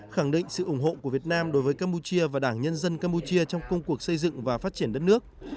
khẳng định sự ủng hộ của việt nam đối với campuchia và đảng nhân dân campuchia trong công cuộc xây dựng và phát triển đất nước